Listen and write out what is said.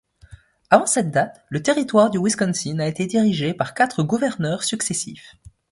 Avant cette date, le territoire du Wisconsin a été dirigé par quatre gouverneurs successifs.